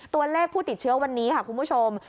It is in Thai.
ตัวเลขผู้ติดเชื้อวันนี้ค่ะคุณผู้ชม